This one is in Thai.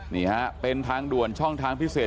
นี่ฮะเป็นทางด่วนช่องทางพิเศษ